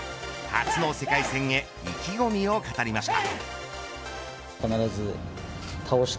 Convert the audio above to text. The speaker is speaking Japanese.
初の世界戦へ意気込みを語りました。